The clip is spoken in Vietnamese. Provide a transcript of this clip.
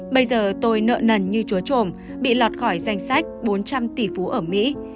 bây giờ tôi nợ nần như chúa chồm bị lọt khỏi danh sách bốn trăm linh tỷ phú ở mỹ